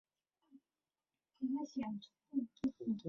治所在光迁县。